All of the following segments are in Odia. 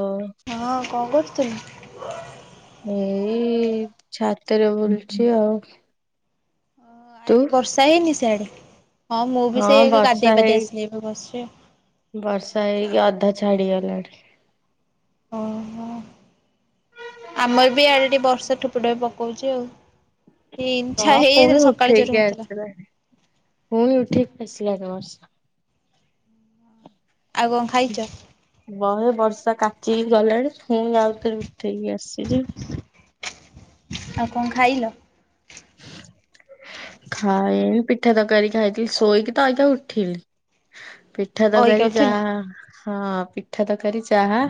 ଉଁ ହଁ, କଣ କରୁଥିଲୁ? ଏଇ ଛାତରେ ବୁଲୁଚି ଆଉ। ତୁ? ଆଜି ବର୍ଷା ହେଇନି ସେଆଡେ? ହଁ, ମୁଁ ବି ହଁ ସେଇ ଏବେ ବର୍ଷା ଗାଧେଇ ହେଇ ପାଧେଇ ଆସି ଏବେ ବସିଚି ଆଉ। ବର୍ଷା ହେଇକି, ଅଧା ଛାଡିଗଲାଣି। ଓହୋ, ଆମର ବି ଇଆଡେ ଟିକେ ବର୍ଷା ଠୋପେ ଠୋପେ ବି ପକଉଚି ଆଉ। ହେଇନି ଛା ହଁ ପୁଣି ହେଇଯାଇଥିଲା ସକାଳେ ଜୋରେ ଉଠେଇକି ହଉଥିଲା। ଆସିଲାଣି, ପୁଣି ଉଠେଇକି ଆସିଲାଣି ବର୍ଷା। ଆଗୋ ବହେ ବର୍ଷା କାଚିକି ଗଲାଣି, ଫୁଣି ଆଉଥରେ ଉଠେଇକି ଆସିଚି। ଆଉ କଣ ଖାଇଲ? [unintelligible] ଖାଇନି, ପିଠା ତରକାରୀ ଖାଇଥିଲି, ଶୋଇକି ତ ଅଇକା ଉଠିଲି, ପି ପିଠା ଅଇକା ତରକାରୀ ଉଠିଲୁ? ଚାହା, ହଁ ପିଠା ତରକାରୀ ଚାହା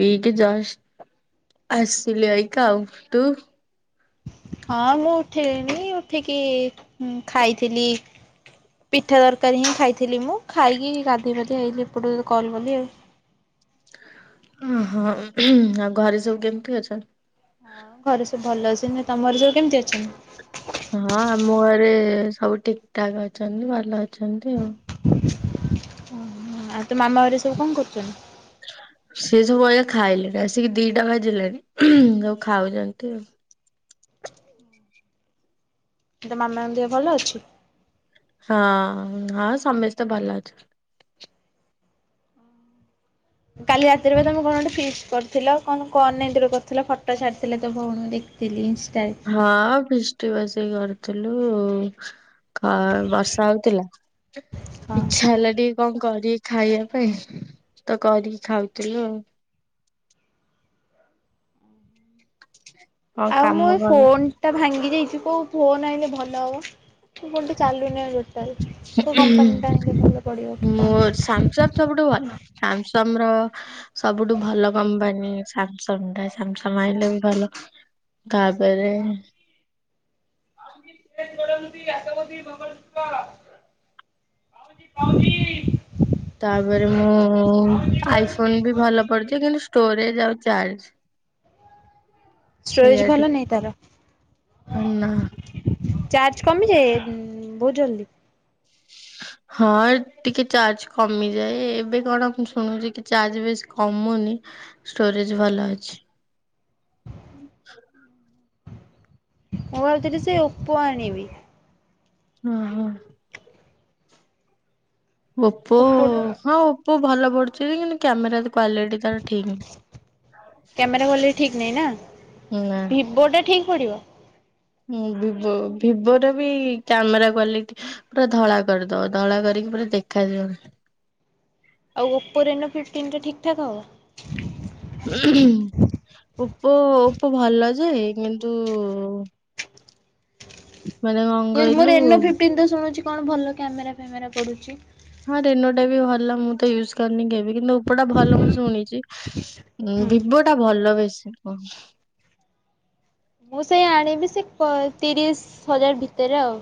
ପିଇକି ଜଷ୍ଟ ଆସିଲି ଅଇକା, ଆଉ ତୁ? ହଁ ମୁଁ ଉଠିଲିଣିି, ଉଠିକି ଖାଇଥିଲି ପିଠା ତରକାରୀ ହିଁ ଖାଇଥିଲି ମୁଁ, ଖାଇକି ଗାଧେଇ ପାଧେଇ ଆଇଲିି ଏପଟୁକୁ ତତେ କଲ କଲି ଆଉ। ଓହୋ, ଆଉ ଘରେ ସବୁ କେମିତି ଅଛ? ହଁ ଘରେ ସବୁ ଭଲ ଅଛନ୍ତି, ତମର ସବୁ କେମିତି ଅଛନ୍ତି? ହଁ, ଆମ ଘରେ ସବୁ ଠିକ୍ ଠାକ୍ ଅଛନ୍ତି, ଭଲ ଅଛନ୍ତି ଆଉ। ଓହୋ, ଆଉ ତୋ ମାମା ହେରିକା ସବୁ କଣ କରୁଚନ୍ତି? ସେ ସବୁ ଅଜା ଅଇକା ଖାଇଲେଣି, ଆସିକି ଦିଟା ବାଜିଲାଣି, ସବୁ ଖାଉଚନ୍ତି ଆଉ। ତୋ ମାମାଙ୍କ ଦେହ ଭଲ ଅଛି? ହଁ, ହଁ, ସମସ୍ତେ ଭଲ ଅଛ କାଲି ରାତିରେ ବା ତମେ କଣ ଗୋଟେ ଫିଷ୍ଟି କରିଥିଲ, କଣ କ [unintelligible] କରିଥିଲ, ଫଟୋ ଛାଡିଥିଲେ ତୋ ଭଉଣୀ ହେରି ଫିଲିମ୍ ଷ୍ଟାଇଲ୍ ହଁ, ପିଷ୍ଟି ବସି କରିଥିଲୁ ଉ ଉ କଁ ବର୍ଷା ହଉଥିଲା? ହଁ। ଇଛା ହେଲା ଟିକେ କଣ କରିକି ଖାଇବା ପାଇଁ, ତ କରିକି ଖାଉଥିଲୁ ଆଉ। [unintelligible] ଆଉ ମୁଁ ଏ କଣ ଫୋନ୍ ଟା ଭାଙ୍ଗି ଯାଇଚି, କୋଉ ଫୋନ ଆଇଁଲେ ଭଲ ହବ? ମୋ ଫୋନ୍ ଟା ଚାଲୁନି ଆଉ ଟୋଟାଲ୍, କୋଉ କମ୍ପାନୀ ଟା ଆଇଁଲେ ଭଲ ପଡିବ କି କଣ? ସାମସଙ୍ଗ୍ ସବୁଠୁ ଭଲ, ସାମସଙ୍ଗ ର ସବୁଠୁ ଭଲ କମ୍ପାନୀ ସାମସଙ୍ଗ୍ ଟା, ସାମସଙ୍ଗ୍ ଆଇଁଲେ ବି ଭଲ। ତାପରେ ଆ ପାଉ ତାପରେ ମୁଁ, ଆଇ ଫୋନ୍ ବି ଭଲ ପଡିଚି କିନ୍ତୁ ଷ୍ଟୋରେଜ୍ ଆଉ ଚାର୍ଜ ଷ୍ଟୋରେଜ୍ ସେଇଆ ଭଲ ଟିକେ ନାହିଁ ତାର? ନା ଚାର୍ଜ୍ କମିଯାଏ, ବହୁତ ଜଲ୍ ଦି? ହଁ ଟିକେ ଚାର୍ଜ୍ କମିଯାଏ, ଏବେ କଣ ଶୁଣୁଚି କି ଚାର୍ଜ୍ ବେଶି କମୁନି, ଷ୍ଟୋରେଜ୍ ଭଲ ଅଛି। ମୁଁ ଭାବଥିଲି ସେ ଓପୋ ଆଣିବି। ହୁଁ ହୁଁ। ଓପୋ ହଁ ଓପୋ ଭଲ ପଡୁଛି କିନ୍ତୁ କ୍ୟାମେରା କ୍ଵାଲିଟି ତାର ଠିକ ନାହିଁ କ୍ୟାମେରା କ୍ଵାଲିଟି ଠିକ ନାହିଁ ନା ନା ଭିଭୋ ଟା ଠିକ ପଡିବ? ହଁ ଭିବୋ ଭିବୋ ଟା ବି କ୍ୟାମେରା କ୍ଵାଲିଟି ପୁରା ଧଳା କରିଦବ ଧଳା କରିକି ପୁରା ଦେଖା ଯିବନି। ଆଉ ଓପୋରେନୋ ଫଫ୍ଟିନ୍ଟା ଠିକ ଠାକ୍ ହବ। ଓପୋ ଓପୋ ଭଲ ଯେ କିନ୍ତୁ ମାନେ କଣ ମୁଁ କହିଲୁ ରେନୋ ଫିଫ୍ଟିନ୍ ତ ଶୁଣୁଛି କଣ ଭଲ କ୍ୟାମେରା ଫ୍ୟାମେରା ପଡୁଛି। ହଁ ରେନୋ ଟା ବି ଭଲ ମୁଁ ତ ୟୁଜ କରିନି କେବେ କିନ୍ତୁ ଉପଟା ଭଲ ମୁଁ ଶୁଣିଛି। ଉଁ ହୁଁ। ଭିବୋ ଟା ଭଲ ବେଶୀ କ ମୁଁ ସେଇ ଆଣିବି ସେ ତିରିଶ ହଜାର ଭିତରେ ଆଉ।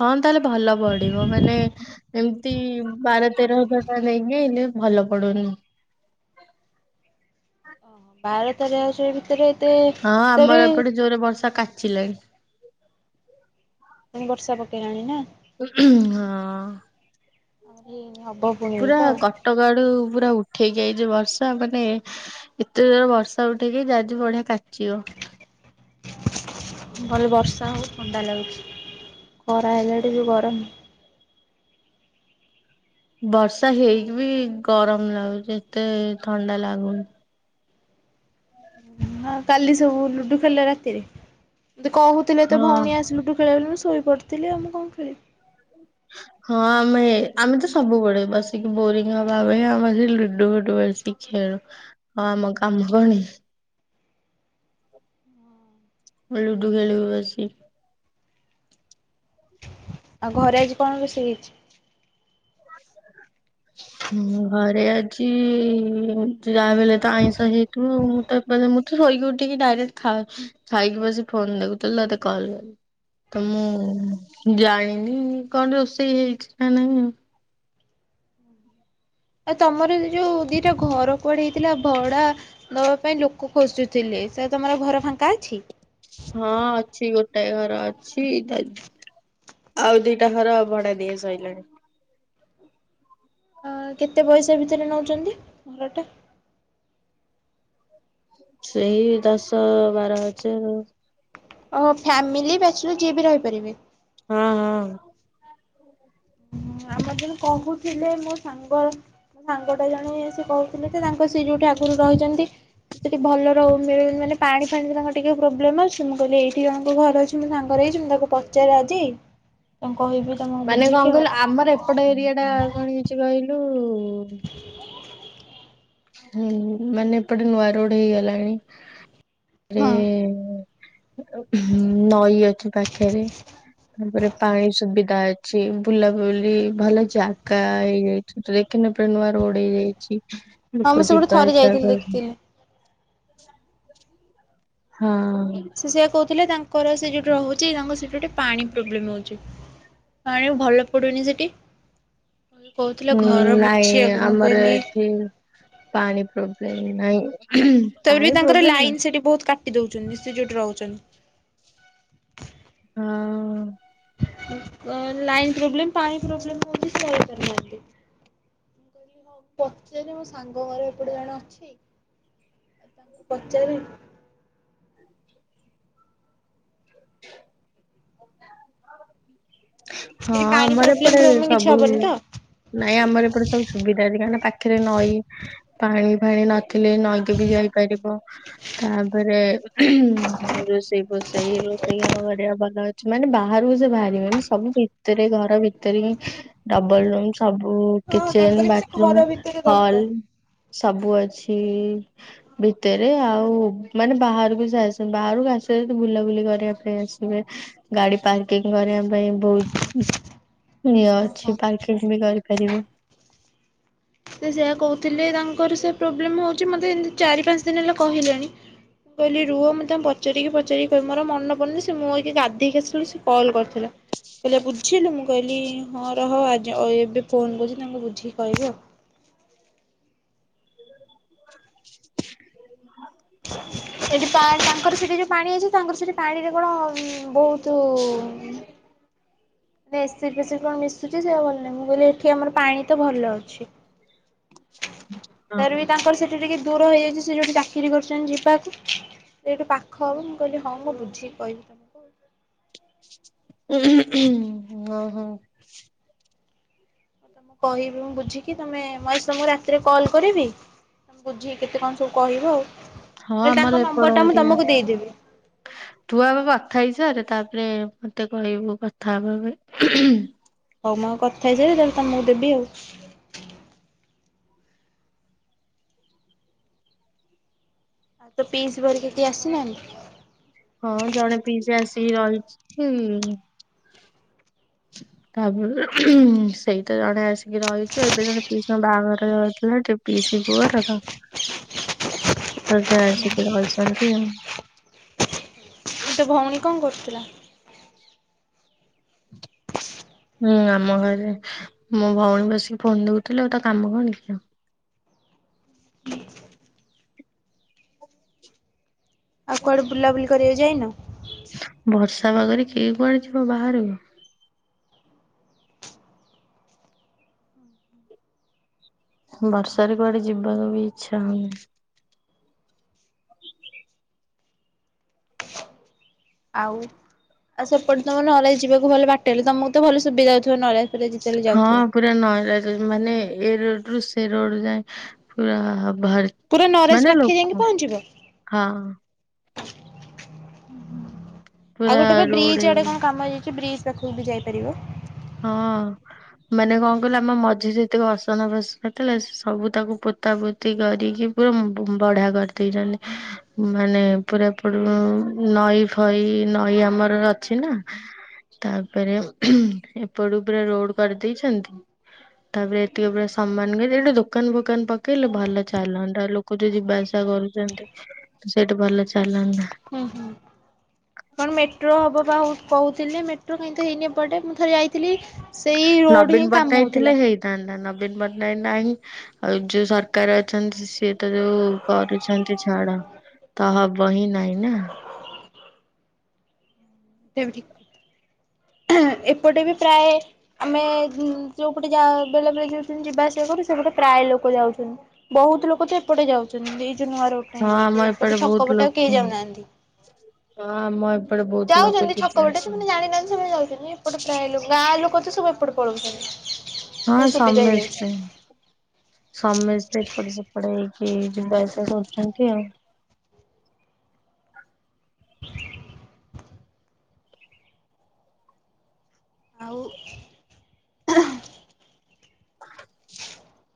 ହଁ ତାହେଲେ ଭଲ ପଡିବ ମାନେ ଏମିତି ବାର ତେର ହଜାର ନେଇକି ହେଲେ ଭଲ ପଡୁନି। ବାର ତେର ହଜାର ଭିତରେ ଏତେ ହଁ ଭିତରେ ଆମର ଏପଟେ ଜୋରେ ବର୍ଷା କାଚିଲାଣି। ବର୍ଷା ପକେଇଲାଣି ନା? ହଁ [unintelligible] ପୁରା ଆଉ କଟକ ଆଡୁ ପୁରା ଉଠେଇ ଆଇଛି ବର୍ଷା ମାନେ ଏତେ ଜୋରେ ବର୍ଷା ଉଠେଇକି ଆଜି ବଢିଆ କାଚିବ। ଭଲ ବର୍ଷା ହଉ ଥଣ୍ଡା ଲାଗୁଛି ଖରା ହେଲା ଟିକେ ଗରମ। ବର୍ଷା ହେଇକି ବି ଗରମ ଲାଗୁଛି ଏତେ ଥଣ୍ଡା ଲାଗୁନି। ହଁ କାଲି ସବୁ ଲୁଡୁ ଖେଳିଲ ରାତିରେ? କହୁଥିଲେ ତୋ ହଁ ଭଉଣୀ ଆସିଲେ ଲୁଡୁ ଖେଳବ ବୋଲି ମୁଁ ଶୋଇପଡିଥିଲି ମୁଁ କଣ ଖେଳିବି? [inaudible] ହଁ ଆମେ ଆମେ ତ ସବୁବେଳେ ବସିକି ବୋରିଙ୍ଗ ହବା ପାଇଁ ଆମେ ସେ ଲୁଡୁ ଫୁଡୁ ବସିକି ଖେଳୁ। ଆଉ କାମ କଣ କି? ଲୁଡୁ ଖେଳିବୁ ବସିକି। ଆଉ ଘରେ ଆଜି କଣ ରୋଷେଇ ହେଇଛି? ଘରେ ଆଜି ଯାହାବି ହେଲେତ ଆଇଁଷ ହେଇ ତୁ ମୁଁ ତ ମୁଁ ତ ଶୋଇକି ଉଠିକି ଡାଇରେକ୍ଟ ଖାଉ ଖାଇକି ବସି ଫୋନ ଦେଖୁଥିଲି ତ ତତେ କଲ କଲି। ତ ମୁଁ ଜାଣିନି କଣ ରୋଷେଇ ହେଇଛି ନା ନାଇଁ। ଆଉ ତମର ଯୋଉ ଦିଟା ଘର କୁଆଡେ ହେଇଥିଲା ଭଡା ନବା ପାଇଁ ଲୋକ ଖୋଜୁଥିଲେ ସେରା ତମର ଘର ଫାଙ୍କା ଅଛି? ହଁ ଅଛି ଗୋଟାଏ ଘର ଅଛି। ଆଉ ଦିଟା ଘର ଭଡା ଦିଆ ସରିଲାଣି। କେତେ ପଇସା ଭିତରେ ନେଉଛନ୍ତି ଘରଟା? [inaudible] ସେଇ ଦଶ, ବାର ହଜାର। ଓହୋ ଫ୍ୟାମିଲି ବ୍ୟାଚ୍ଲର୍ ଯିଏ ବି ରହିପାରିବେ। ହଁ ହଁ। ଆମ ଜଣେ କହୁଥିଲେ ମୋ ସାଙ୍ଗର ମୋ ସାଙ୍ଗଟା ଜଣେ ସେ କହୁଥିଲେ ଯେ ତାଙ୍କ ସେ ଯୋଉଠି ଆଗରୁ ରହିଛନ୍ତି ସେଠି ଭଲ ମାନେ ପାଣି ଫାଣିରେ ତାଙ୍କ ଟିକେ ପ୍ରୋବ୍ଲେମ୍ ଅଛି ମୁଁ କହିଲି ଏଇଠି ଜଣଙ୍କ ଘର ଅଛିଁ ମୋ ସାଙ୍ଗ ହେଇଛି ମୁଁ ତାକୁ ପ ପଚାରେ ଆଜି ହ। ତାଙ୍କୁ କହିବି ତମକୁ ମାନେ ବୁଝିକି କଣ କହିଲୁ ଆଉ। ଆମର ଏପଟ ଏରିଆଟା କଣ ହେଇଛି କହିଲୁ ହୁଁ ମାନେ ଏପଟେ ନୂଆ ରୋଡ ହେଇଗଲାଣି। ଏ ହଁ ହୁଁ ନଈ ଅଛି ପାଖରେ। ତାପରେ ପାଣି ସୁବିଧା ଅଛି ବୁଲାବୁଲି ଭଲ ଜାଗା ହେଇଯାଇ ତୁ ଦେଖିନୁ ଏପଟେ ନୂଆ ରୋଡ ହେଇଯାଇଛି। ହଁ ଲୋକ ମୁଁ ସେପଟେ ଯିବା ଥରେ ଆସିବା ଯାଇଥିଲି କରନ୍ତି ଦେଖିଥିଲି। ହଁ। ସେ କହୁଥିଲେ ତାଙ୍କର ସେ ଯେଉଁଠି ରହୁଛି ତାଙ୍କର ସେଇଠି ଗୋଟେ ପାଣି ପ୍ରୋବ୍ଲେମ୍ ହଉଛି। ପାଣି ଭଲ ପଡୁନି ସେଠି। କହୁଥିଲେ ହୁଁ ଘର ନାଇଁ ବୁଝିବାକୁ ମୁଁ ଆମର କହିଲି ଏଠି ପାଣି ପ୍ରୋବ୍ଲେମ ନାଇଁ। ତାପରେ ବି ତାଙ୍କର ଲାଇନ ସେଠି ବହୁତ୍ କାଟି ଦଉଛନ୍ତି ସେ ଯୋଉଠି ରହୁଛନ୍ତି। ହଁ। ଲାଇନ ପ୍ରୋବ୍ଲେମ୍ ପାଣି ପ୍ରୋବ୍ଲେମ ହଉଛି ସେ ରହିପାରୁନାହାନ୍ତି। ପଚାରେ ମୋ ସାଙ୍ଗ ଘର ଏପଟେ ଜଣେ ଅଛି। ପଚାରିବି? ହଁ ଏଠି ପାଣି ଆମର ଏପଟେ ପ୍ରୋବ୍ଲେମ ଫୋବ୍ଲେମ କିଛି ସବୁ ହବନି ତ? ନାଇଁ ଆମର ଏପଟେ ସବୁ ସୁବିଧା ଅଛି କାହିଁକିନା ପାଖରେ ନଈ ପାଣି ଫାଣି ନ ଥିଲେ ନଈକି ବି ଯାଇପାରିବ ତାପରେ ରୋଷେଇ ବୋସ୍ ସେଇ ରୋଷେଇ ଘର ବଢ଼ିଆ ଭଲ ଅଛି ମାନେ ବାହାରକୁ ସେ ବାହାରିବେନି। ସବୁ ଭିତରେ ଘର ଭିତରେ ହିଁ ଡବଲ ରୁମସ୍। ସବୁ ହଁ କିଚେନ, ତାଙ୍କର ବି ସେ ଘର ବାଥରୁମ୍, ଭିତରେ ହଲ୍ ଦରକାର। ସବୁ ଅଛି। ଭିତରେ ଆଉ ମାନେ ବାହାରୁକୁ ସେ ଆସୁ ବାହାରୁକୁ ଆସିବେ ଯଦି ବୁଲାବୁଲି କରିବା ପାଇଁ ଆସିବେ। ଗାଡି ପାର୍କିଂ କରିବା ପାଇଁ। ବହୁତ ଇଏ ଓହୋ। ଅଛି ପାର୍କିଂ ବି କରିପାରିବି। ସେ ସେୟା କହୁଥିଲେ ତାଙ୍କର ସେ ପ୍ରୋବ୍ଲେମ ହଉଛି ମୋତେ ଏମିତି ଚାରି ପାଞ୍ଚ ଦିନ ହେଲା କହିଲେଣି। ମୁଁ କହିଲି ରୁହ ମୁଁ ତାଙ୍କୁ ପଚାରିକି ପଚାରିକି କହିବି ମୋର ଆଉ ମନେ ପଡୁନି ସେ ମୁଁ ଅଇଖା ଗାଧେଇକି ଆସି ବେଳୁ ସେ କଲ କରିଥିଲା। କହିଲା ବୁଝିଲୁ ମୁଁ କହିଲି ହଁ ରହ ଆଜି ଏବେ ଫୋନ୍ କରୁଛି ତାଙ୍କୁ ବୁଝିକି କହିବି ଆଉ। ସେଠି ପାଣି ତାଙ୍କର ସେଠି ଯୋଉ ପାଣି ଅଛି ତାଙ୍କର ସେଠି ପାଣିରେ କଣ ବହୁତୁ ଏସିଡ୍ ଫେସିଡ୍ କଣ ମିଶୁଛି ସେଇଆ ଭଲ ନାହିଁ ମୁଁ କହିଲି ଏଠି ଆମର ପାଣି ତ ଭଲ ଅଛି। ତାର ବି ହଁ ତାଙ୍କର ସେଠି ଟିକେ ଦୂର ହେଇଯାଇଛି ସେ ଯୋଉଠି ଚାକିରି କରୁଛନ୍ତି ଯିବାକୁ ସେଇଠୁ ପାଖ ହବ ମୁଁ କହିଲି ହଁ ମୁଁ ବଝିକି କିହିବି ତମକୁ। ଅ ହଁ। ହଉ କହିବି ମୁଁ ବୁଝିକି ତମେ ମୁଁ ଆଜି ତମକୁ ରାତିରେ କଲ୍ କରିବି? ବୁଝିକି କେତେ କଣ ସବୁ କହିବ ଅଉ ମୁଁ ହଁ କହିଲି ଆମର ତାଙ୍କ ଏପଟ ନମ୍ବରଟା ମୁଁ ଏରିଆ। ତମକୁ ଦେଇଦେବି। ତୁ ଆଗ କଥା ହେଇସାରେ ତାପରେ ମତେ କହିବୁ କଥା ହବା ପାଇଁ। ହଉ ମୁଁ ଆଗ କଥା ହେଇଯାଏ ତାହେଲେ ତମକୁ ଦେବି ଆଉ। ତୋ ପିଇସୀ ଘୋରିକା କେହି ଆସିନାହାନ୍ତି? ହଁ ଜଣେ ପିଇସୀ ଆସିକି ରହିଛି। ତାପରେ ସେଇ ତ ଜଣେ ଆସିକି ରହିଛି ଏବେ ଜଣେ ପିଇସୀଙ୍କ ବାହାଘର ରହିଥିଲାଟି। ପିଇସୀ ପୁଅର ତ, ତ ସେ ଆସିକି ରହିଛନ୍ତି ଆଉ। ଗୋଟେ ଭଉଣୀ କଣ କରୁଥିଲା? ହୁଁ ଆମ ଘରେ ମୋ ଭଉଣୀ ବସିକି ଫୋନ ଦେଖୁଥିଲେ ଆଉ ତା କାମ କଣ କି ଆଉ। ଆଉ କୁଆଡେ ବୁଲାବୁଲି କରିଆକୁ ଯାଇନ? ବର୍ଷା ପାଗରେ କିଏ କୁଆଡେ ଯିବ ବାହାରକୁ? ବର୍ଷାରେ କୁଆଡେ ଯିବାକୁ ବି ଇଚ୍ଛା ହଉନି। ହ ଆଉ ଆଉ ସେପଟେ ତମେ ନଲେଜ୍ ଯିବାକୁ ଭଲ ବାଟଲେ, ତମକୁ ତ ଭଲ ସୁବିଧା ହଉଥିବ ନଳିଆ- ପୁରା ଯେତେବେଳେ ହଁ ଯାଉଥିବ। ପୁରା ନଲେଜ୍ ମାନେ ଏବରୋଡ ରୁ ସେ ରୋଡ ଯାଏ ପୁରା ବାହା ପୁରା ନରାଜ ମାନେ ପାଖେ ଲୋକ ଯାଇକି ହଁ। ପହଞ୍ଚିବ। ଆଉ ପୁରା ଗୋଟେ ବା ରୋଡ ବ୍ରିଜ୍ ହେଇ ଆଡେ କଣ କାମ ହେଇଯାଇଛି ବ୍ରିଜ୍ ପାଖକୁ ବି ଯାଇପାରିବ। ହଁ। ମାନେ କଣ କହିଲ ଆମ ମଝିରେ ଯେତକ ଅସନା ଫସନା ଥିଲା, ସେ ସବୁ ତାକୁ ପୋତା ପୋ ତି କରିକି ପୁରା ବମ୍ ବଢିଆ କରିଦେଇଛନ୍ତି। ମାନେ ପୁରା ପର୍-ନଈ ଫଇ ନଈ ଆମର ଅଛି ନା ତାପରେ ଏପଟୁ ପୁରା ରୋଡ୍ କରିଦେଇଛନ୍ତି। ତାପରେ ଏତିକ ପୁରା ସମାନ କରି, ଏଟା ଦୋକାନ ଫୋକାନ ପକେଇଲେ ଭଲ ଚାଲନ୍ତା ଲୋ କ ଯୋ ଯିବା ଆସିବା କରୁଛନ୍ତି। ସେଇଠି ଭଲ ଚାଲନ୍ତା ହୁଁ ହୁଁ। କଣ ମେଟ୍ରୋ ହବ ବା ହଉ-କହୁଥିଲି ମେଟ୍ରୋ କାଇଁ ତ ହେଇନି ଏପଟେ। ମୁଁ ଥରେ ଯାଇଥିଲି ସେଇ ରୋଡ ହିଁ କାମ ହଉଥିଲା। ନା ନା ନବୀନ ପଟ୍ଟନାୟକ ନାହିଁ। ଆଉ ଯୋଉ ସରକାର ଅଛନ୍ତି ସିଏ ତ ଯୋଉ କରୁଛନ୍ତି ଛାଡ, ତ ହବ ହିଁ ନାଇଁ ନା। ଏବେ ଠିକ୍, ଏପଟେ ବି ପ୍ରାୟେ ଆମେ ଉମ୍ ଯୋଉପଟେ ଯାଅ ବେଳେ ବେଳେ ଯୋଉ-ଯିବା ଆସିବା କରୁ ସେପଟେ ପ୍ରାୟ ଲୋକ ଯାଉଛନ୍ତି ବହୁତ ଲୋକ ତ ଏପଟେ ଯାଉଛନ୍ତି। ଏଇ ଯୋଉ ନୂଆ ରୋଡ୍ ଟା ହଁ ହେଇଯାଇଛି। ଆମ ଏପଟେ ବହୁତ ଛକପଟେ ଆଉ କେହି ଲୋକ ଯାଉନାହାନ୍ତି। ହଁ ଆମ ଏପ୍ ଯାଉଛନ୍ତି ଛକ ପଟେ, ସେମାନେ ଜାଣିନାହାନ୍ତି ସେମାନେ ଯାଉଛନ୍ତି। ଏପଟେ ପ୍ରାୟ ଲୋକ ଗାଁ ଲୋକ ତ ସବୁ ଏପଟେ ପଳଉଛନ୍ତି। ହଁ ସୁବିଧା ହେଇଯାଇଛି ସମେସ୍ତେ। ସମେସ୍ତେ ଏପଟ ସେପଟ ହେଇକି ଯିବା ଆସିବା କରୁଛନ୍ତି ଆଉ। ଆଉ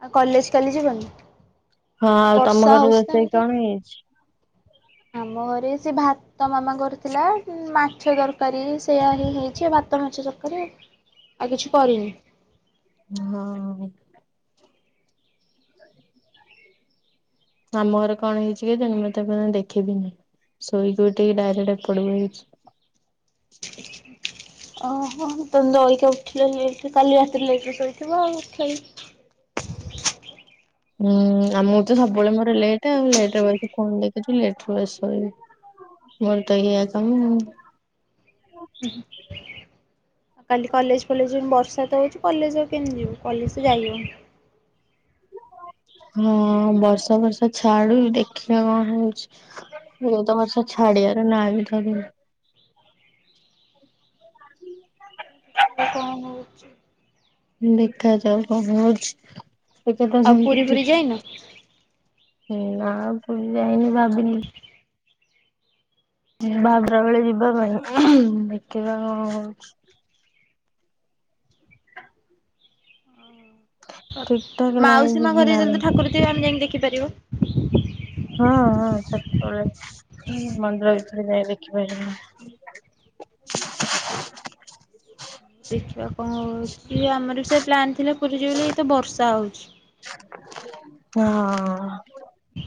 ଆଉ କଲେଜ୍ କାଲି ଯିବନି? ହଁ ଆଉ ତମ ବର୍ଷା ଘରେ ହଉଛି ତ ରୋଷେଇ ଏମିତି କଣ ହେଇଛି? ଆମ ଘରେ ସେ ଭାତ ମାମା କରୁଥିଲା ମାଛ ତର କାରୀ ସେଇୟା ହିଁ ହେଇଛି ଭାତ ମାଛ ତରକାରୀ ଆଉ, ଆଉ କିଛି କରିନି। ହଁ ଅ ଆମ ଘରେ କଣ ହେଇଛି କେଜାଣି? ମୁଁ ତାକୁ ଆଉ ଦେଖି ବି ନାହିଁ। ଶୋଇକି ଉଠିକି ଡାଇରେକ୍ଟ ଏପଟକୁ ହେଇଛି। ଓହୋ [unintelligible] ଲେଟ୍ ରେ, କାଲି ରାତିରେ ଲେଟ ରେ ଶୋଇଥିବ ଆଉ ଖେଳି ହୁଁ ଆମଁ ତ ସବୁବେଳେ ମୋର ଲେଟ୍ ଆଉ ଲେଟରେ ବସିକି ଫୋନ୍ ଦେଖୁଚି ଲେଟ୍ ରେ ବି ଶୋଇବି ମୋର ତ ଏଇୟା କାମ ଆଉ। ଉ ହୁ। କାଲି କଲେଜ ଫଲେଜ ଯେ ବର୍ଷା ତ ହଉଛି କଲେଜ ଆଉ କେମତି ଯିବୁ? କଲେଜ ତ ଯାଇ ହଁ ବର୍ଷା ଫର୍ଷା ଛାଡୁ ଦେଖିବା କଣ ହଉଛି। ଯୋଉ ତ ବର୍ଷା ଛାଡ଼ିବାର ନାଁ ବି ଧରୁନି। ଆଉ କଣ ହଉଛି? ଦେଖାଯାଉ କଣ ହଉଛି ଆଉ ପୁରୀ ଫୁରୀ ଯାଇନ? [unintelligible] ଏ ନା ପୁରୀ ଯାଇନି ଭାବିଲି ବାହୁଡ଼ା ବେଳେ ଯିବା ପାଇଁ ଦେଖିବା କଣ ହଉଛି।। ଠିକ୍ ଠାକ୍ ନାଇଁ ମାଉସୀ ମା ଯିବି ଘରେ ନା ଯେତେବେଳେ ନାଇଁ ତ ଠାକୁର ଥିବେ ଆମେ ଯାଇକି ଦେଖିପାରିବା। ହଁ ହଁ ସେତବେଳେ ମନ୍ଦିର ଭିତରେ ଯାଇ ଦେଖିପାରିବା। ଦେଖିବା କଣ ହଉଛି ଆମର ସେ ପ୍ଲାନ୍ ଥିଲା ପୁରୀ ଯିବୁ ବୋଲି ଏତ ବର୍ଷା ହଉଛି। ହଁ।